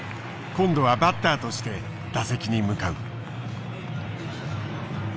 今度はバッターとして打席に向かう。